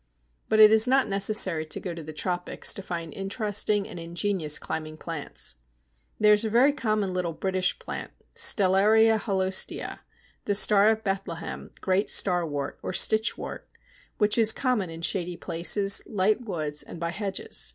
But it is not necessary to go to the tropics to find interesting and ingenious climbing plants. There is a very common little British plant, Stellaria holostea (the Star of Bethlehem, Great Starwort, or Stitchwort), which is common in shady places, light woods, and by hedges.